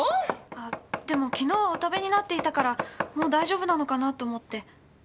あっでも昨日はお食べになっていたからもう大丈夫なのかなと思って。